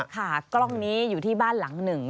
กล้องนี้อยู่ที่บ้านหลังหนึ่ง